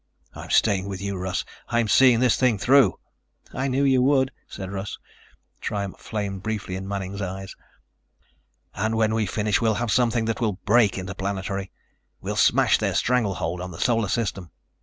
"I'm staying with you, Russ. I'm seeing this thing through." "I knew you would," said Russ. Triumph flamed briefly in Manning's eyes. "And when we finish, we'll have something that will break Interplanetary. We'll smash their stranglehold on the Solar System."